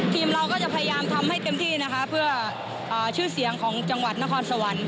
ทีมเราก็จะพยายามทำให้เต็มที่นะคะเพื่อชื่อเสียงของจังหวัดนครสวรรค์